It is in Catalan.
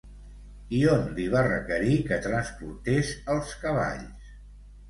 I on li va requerir que transportés els cavalls?